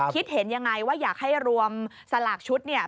คิดเห็นยังไงว่าอยากให้รวมสลากชุดเนี่ย